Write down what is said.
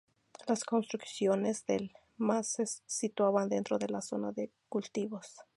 Las construcciones del "mas" se situaban dentro de la zona de cultivos.